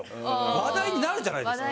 話題になるじゃないですか。